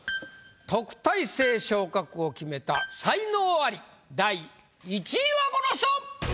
特待生昇格を決めた才能アリ第１位はこの人！